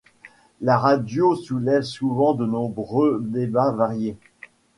La radio soulève souvent de nombreux débats variés.